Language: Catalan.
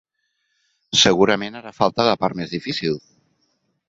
Segurament ara falta la part més difícil.